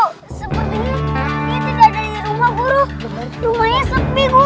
guru sebetulnya dia tidak ada di rumah guru